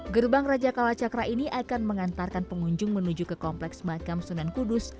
gerbang raja kalacakra ini akan mengantarkan pengunjung menuju ke kompleks makam sunan kudus